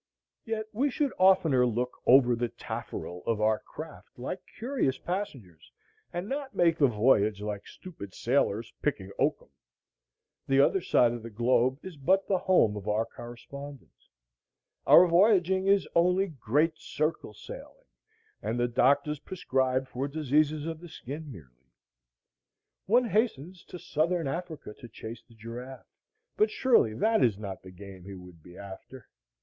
Yet we should oftener look over the tafferel of our craft, like curious passengers, and not make the voyage like stupid sailors picking oakum. The other side of the globe is but the home of our correspondent. Our voyaging is only great circle sailing, and the doctors prescribe for diseases of the skin merely. One hastens to Southern Africa to chase the giraffe; but surely that is not the game he would be after.